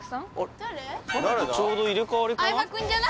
ちょうど入れ替わりかな？